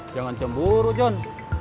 jangan cemburu jon